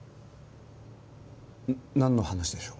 なんの話でしょう？